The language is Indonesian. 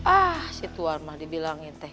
ah si tuan mah dibilangin teh